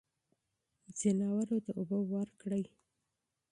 حیواناتو ته اوبه ورکړئ.